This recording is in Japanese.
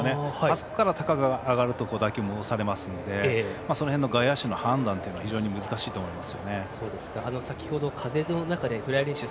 あそこより高く上がると戻されるのでその辺の外野手の判断は非常に難しいと思います。